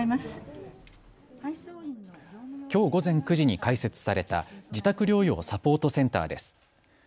きょう午前９時に開設された自宅療養サポートセンターです。